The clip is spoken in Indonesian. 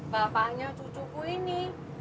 bapaknya cucuku ini